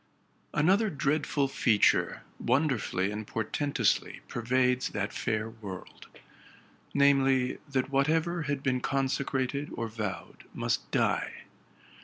Another dreadful feature wonderfully and portentously pervades that fair world; namely, that whatever had been consecrated or vowed must die.